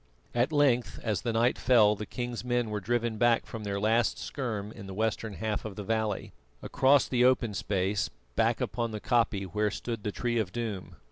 At length as the night fell the king's men were driven back from their last scherm in the western half of the valley, across the open space back upon the koppie where stood the Tree of Doom.